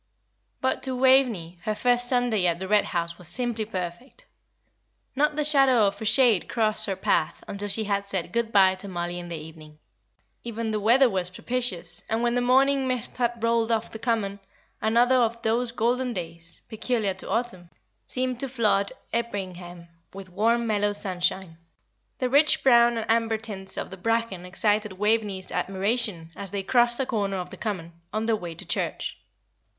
But to Waveney her first Sunday at the Red House was simply perfect. Not the shadow of a shade crossed her path until she said good bye to Mollie in the evening. Even the weather was propitious, and when the morning mist had rolled off the common, another of those golden days, peculiar to Autumn, seemed to flood Erpingham with warm, mellow sunshine. The rich brown and amber tints of the bracken excited Waveney's admiration as they crossed a corner of the common, on their way to church.